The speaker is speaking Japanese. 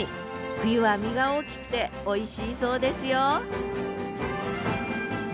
冬は身が大きくておいしいそうですよ